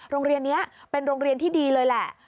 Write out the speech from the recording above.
โรงเรียนนี้เป็นโรงเรียนที่ดีเลยแหละ